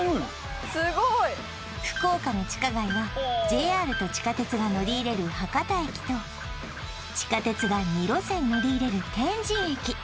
すごい福岡の地下街はＪＲと地下鉄が乗り入れる博多駅と地下鉄が２路線乗り入れる天神駅